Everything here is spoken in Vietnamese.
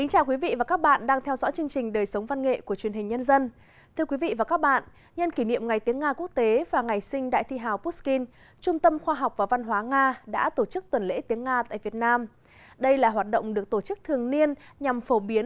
hãy đăng ký kênh để ủng hộ kênh của chúng mình nhé